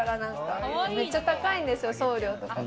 めっちゃ高いんですよ、送料とかが。